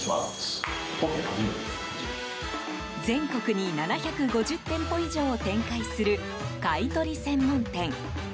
全国に７５０店舗以上を展開する買い取り専門店。